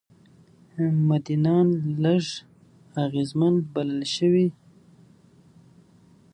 مدیران لږ اغېزمن بلل شوي.